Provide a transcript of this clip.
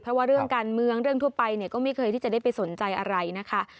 เพราะว่าเรื่องการเมืองเรื่องทั่วไปเนี่ยก็ไม่เคยที่จะได้ไปสนใจอะไรนะคะ